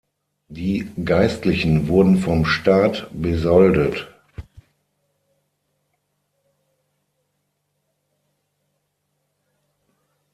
Die Geistlichen wurden vom Staat besoldet.